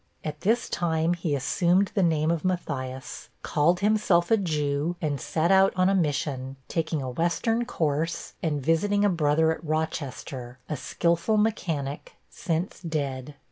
At this time he assumed the name of Matthias, called himself a Jew, and set out on a mission, taking a western course, and visiting a brother at Rochester, a skillful mechanic, since dead.